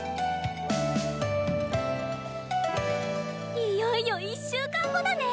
いよいよ１週間後だねえ！